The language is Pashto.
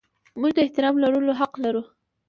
موږ د احترام لرلو حق لرو.